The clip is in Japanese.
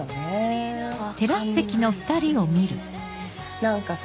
何かさ